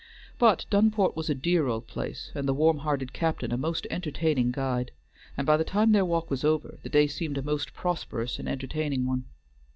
But Dunport was a dear old place, and the warm hearted captain a most entertaining guide, and by the time their walk was over, the day seemed a most prosperous and entertaining one.